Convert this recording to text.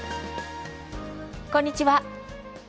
こんにちは。